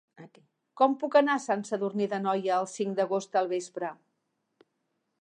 Com puc anar a Sant Sadurní d'Anoia el cinc d'agost al vespre?